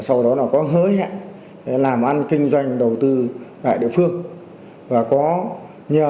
sau đó có hỡi hẹn làm ăn kinh doanh đầu tư tại địa phương